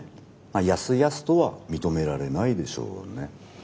やすやすとは認められないでしょうね。